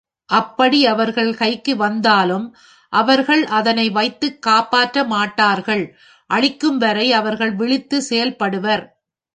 அப்படி அவர்கள் கைக்கு வந்தாலும் அவர்கள் அதனை வைத்துக் காப்பாற்ற மாட்டார்கள் அழிக்கும்வரை அவர்கள் விழித்துச் செயல்படுவர்.